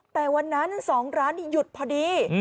แต่วันนั้น๒ร้านนี้หยุดพอดี